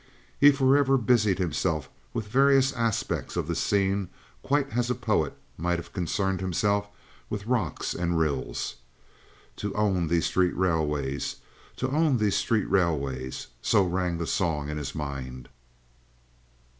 He forever busied himself with various aspects of the scene quite as a poet might have concerned himself with rocks and rills. To own these street railways! To own these street railways! So rang the song of his mind.